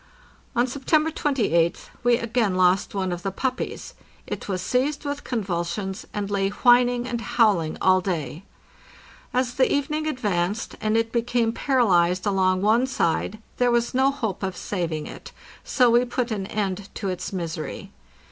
On September 28th we again lost one of the puppies. It was seized with convulsions, and lay whining and howling all day. As the evening advanced, and it became paralyzed along one side, there was no hope of saving it, so we put an end to its misery.